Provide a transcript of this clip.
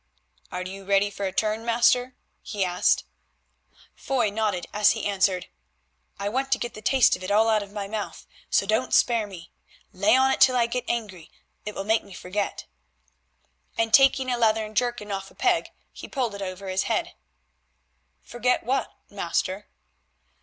"Are you ready for a turn, master?" he asked. Foy nodded as he answered, "I want to get the taste of it all out of my mouth, so don't spare me. Lay on till I get angry, it will make me forget," and taking a leathern jerkin off a peg he pulled it over his head. "Forget what, master?"